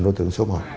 đối tượng số một